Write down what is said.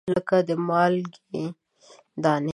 لګه د مالګې دانې